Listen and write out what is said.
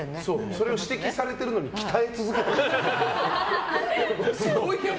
それを指摘されてるのに鍛え続けてるんだよな。